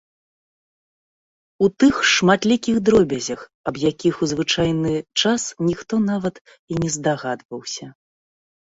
У тых шматлікіх дробязях, аб якіх у звычайны час ніхто нават і не здагадваўся.